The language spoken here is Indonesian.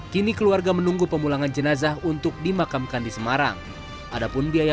kini keluarga menunggu pemulangan jenazah untuk dimakamkan di semarang adapun biaya